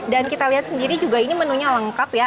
dan kita lihat sendiri juga ini menunya lengkap ya